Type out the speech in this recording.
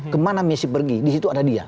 kemana misi pergi disitu ada dia